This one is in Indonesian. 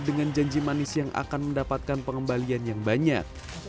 dengan janji manis yang akan mendapatkan pengembalian yang banyak